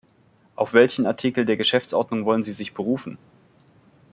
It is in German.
Auf welchen Artikel der Geschäftsordnung wollen Sie sich berufen?